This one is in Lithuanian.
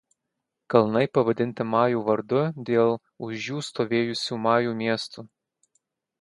Kalnai pavadinti majų vardu dėl už jų stovėjusių majų miestų.